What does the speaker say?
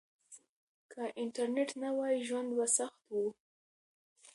که انټرنيټ نه وای ژوند به سخت و.